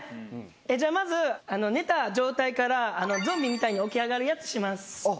じゃあまず寝た状態からゾンビみたいに起き上がるやつします。